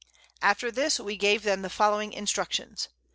After this we gave them the following Instructions.